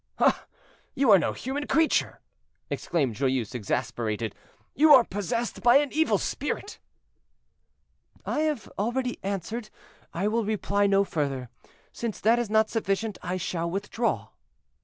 "Ah! you are no human creature!" exclaimed Joyeuse, exasperated. "You are possessed by an evil spirit." "I have answered already; I will reply no further. Since that is not sufficient, I shall withdraw."